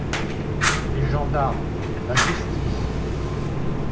des gendarmes, la justice.